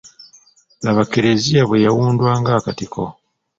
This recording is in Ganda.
Laba kkereziya bwe yawundwa ng’akatiko.